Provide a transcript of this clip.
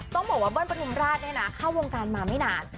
ต้องบอกว่าเบิ้ลปฐุมราชเนี่ยนะเข้าวงการมาไม่นาน